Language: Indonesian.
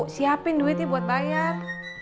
siapin duitnya buat bayar